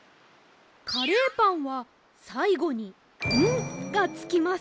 かれーぱんはさいごに「ん」がつきます。